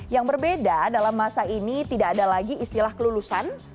yang berbeda dalam masa ini tidak ada lagi istilah kelulusan